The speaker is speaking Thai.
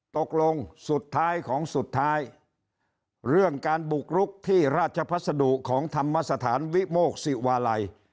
ตกลงสุดท้ายของสุดท้ายเรื่องการบุกรุกที่ราชพัสดุของธรรมสถานวิโมกศิวาลัย